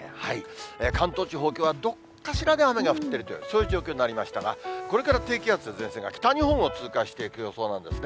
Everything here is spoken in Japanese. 関東地方、きょうはどっかしらで雨が降ってるという、そういう状況になりましたが、これから低気圧と前線が北日本を通過していく予想なんですね。